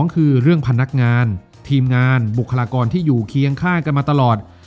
คือเรื่องพนักงานทีมงานบุคลากรที่อยู่เคียงข้างกันมาตลอด